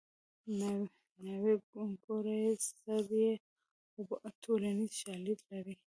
ناوې ګوره سر یې اوبه ټولنیز شالید لري